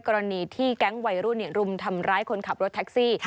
กรณีที่แก๊งวัยรุ่นรุมทำร้ายคนขับรถแท็กซี่